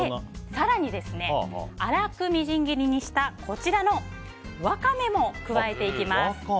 更に、粗くみじん切りにしたこちらのワカメも加えていきます。